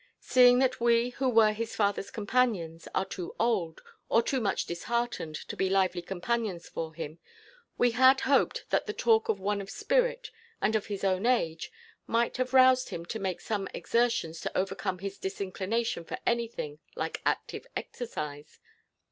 Seeing that we, who were his father's companions, are too old, or too much disheartened, to be lively companions for him, we had hoped that the talk of one of spirit, and of his own age, might have roused him to make some exertions to overcome his disinclination for anything like active exercise.